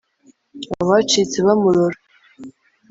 Abacitse bamurora